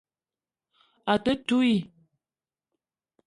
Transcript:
A te touii.